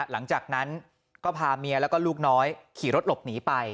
หลังจากนั้นก็พาเมียแล้วก็ลูกน้อยขี่รถหลบหนีไป